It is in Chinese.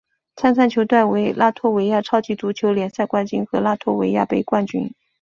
参赛球队为拉脱维亚超级足球联赛冠军和拉脱维亚杯冠军。